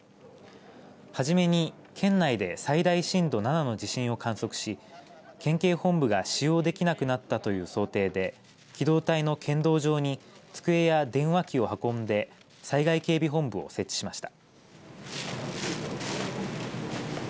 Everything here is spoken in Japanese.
初めに県内で最大震度７の地震を観測し県警本部が使用できなくなったという想定で機動隊の剣道場に机や電話機を運んで災害警備本部を設置しました。